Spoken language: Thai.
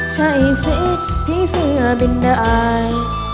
ใช่สิผีเสือเป็นดาย